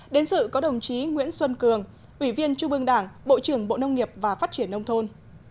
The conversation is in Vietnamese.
đến sự có đồng chí nguyễn xuân cường ủy viên trung ương đảng bộ trưởng bộ nông nghiệp và phát triển nông thôn